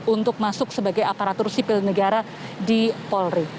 untuk masuk sebagai aparatur sipil negara di polri